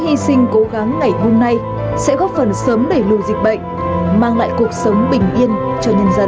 hy sinh cố gắng ngày hôm nay sẽ góp phần sớm đẩy lùi dịch bệnh mang lại cuộc sống bình yên cho nhân dân